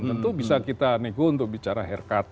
tentu bisa kita nego untuk bicara haircut